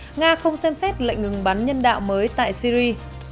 ở phần tiếp theo của chương trình nga không xem xét lệnh ngừng bắn nhân đạo mới tại syri